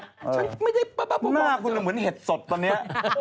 ฉันไม่ได้บับบอกมาครับหน้าคุณเหมือนเห็ดสดตอนนี้